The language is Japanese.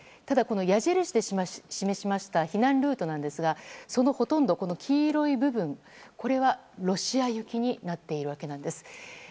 ただ、矢印で示した避難ルートなんですがそのほとんどは、黄色い部分これはロシア行きになっているわけです。